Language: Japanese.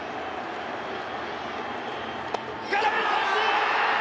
空振り三振！